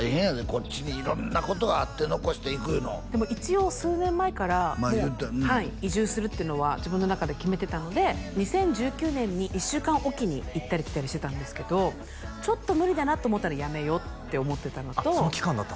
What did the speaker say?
こっちに色んなことがあって残して行くいうのでも一応数年前からもうはい移住するっていうのは自分の中で決めてたので２０１９年に１週間おきに行ったり来たりしてたんですけどちょっと無理だなって思ったらやめようって思ってたのとあっ